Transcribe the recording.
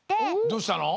どうしたの？